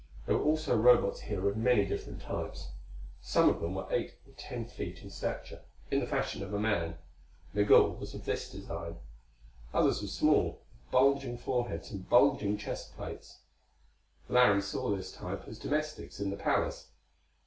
There were also Robots here of many different types. Some of them were eight or ten feet in stature, in the fashion of a man: Migul was of this design. Others were small, with bulging foreheads and bulging chest plates: Larry saw this type as domestics in the palace.